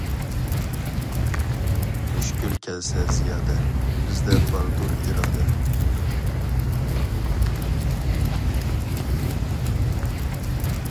مۈشكۈل كەلسە زىيادە، بىزدە باردۇر ئىرادە.